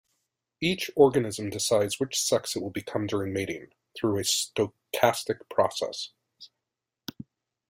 Each organism "decides" which sex it will become during mating, through a stochastic process.